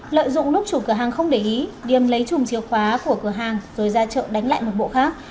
lợi dụng lúc chủ cửa hàng không để ý điềm lấy chùm chìa khóa của cửa hàng rồi ra chợ đánh lại một bộ khác